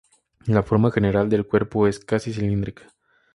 La forma general del cuerpo es casi cilíndrica.